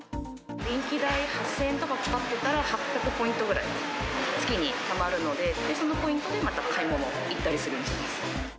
電気代８０００円とか使ってたら８００ポイントぐらい月にたまるので、そのポイントでまた買い物行ったりするんです。